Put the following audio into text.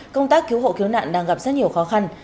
công tác cứu hộ cứu nạn đang gặp rất nhiều khó khăn